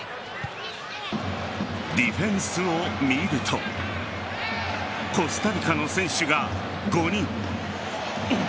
ディフェンスを見るとコスタリカの選手が５人。